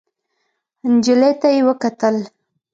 نجلۍ ته يې وکتل.